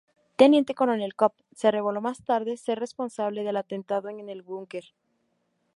Teniente Coronel Cobb se reveló más tarde ser responsable del atentado en el búnker.